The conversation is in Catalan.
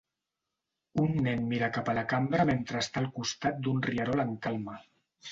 Un nen mira cap a la cambra mentre està al costat d'un rierol en calma